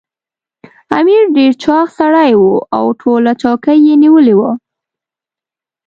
امیر ډېر چاغ سړی وو او ټوله چوکۍ یې نیولې وه.